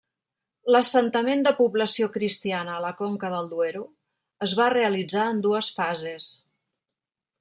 L'assentament de població cristiana a la conca del Duero es va realitzar en dues fases.